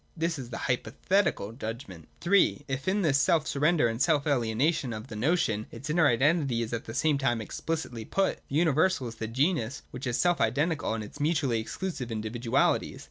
This is the Hypothetical judgment. (3) If, in this self surrender and self alienation of the notion, its inner identity is at the same time explicitly put, the universal is the genus which is selfidentical in its mutuallj' exclusive individualities.